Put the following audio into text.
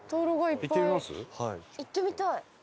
行ってみたい。